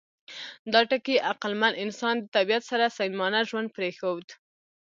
دا ټکي عقلمن انسان د طبیعت سره صمیمانه ژوند پرېښود.